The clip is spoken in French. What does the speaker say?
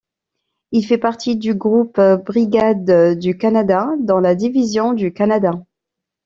Il fait partie du Groupe-brigade du Canada dans la Division du Canada.